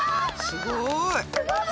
すごい！